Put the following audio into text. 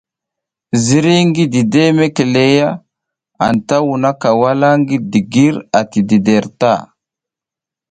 Ziriy ngi dideʼe mekeleleya anta wunkaka wala ngi digir ati dǝdǝr ta.